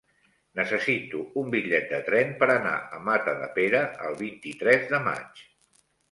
Necessito un bitllet de tren per anar a Matadepera el vint-i-tres de maig.